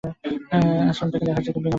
আশ্রম থেকে দেখা যেত বিনা বাধায়।